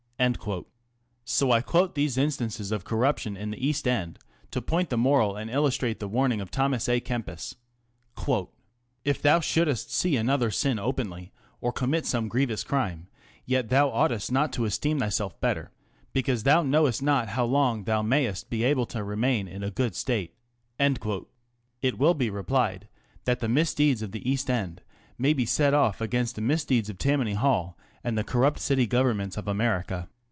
So I quote these instances of corruption in the East End to point the moral and illustrate the warning of Thomas a Kempis :" If thou shouldest see another sin openly or commit some grievous crime, yet thou oughtest not to esteem thyself better, because thou knowest not how long thou mayest be able to remain in a good state." It will be replied that the misdeeds of the East End may be set off against the misdeeds of Tammany Hall and the corrupt City Governments of America.